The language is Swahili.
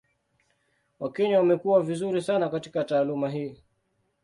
Wakenya wamekuwa vizuri sana katika taaluma hii.